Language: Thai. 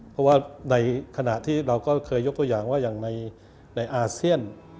เพราะว่าในขณะที่เราก็เคยยกตัวอย่างว่าอย่างในอาเซียน